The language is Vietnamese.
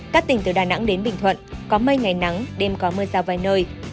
các tỉnh từ đà nẵng đến bình thuận có mây ngày nắng đêm có mưa rào vài nơi